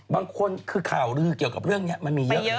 บางคนคือข่าวลือเกี่ยวกับเรื่องนี้มันมีเยอะ